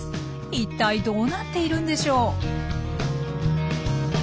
一体どうなっているんでしょう？